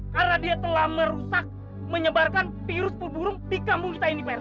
karena dia telah merusak menyebarkan virus peburung di kampung kita ini pak rt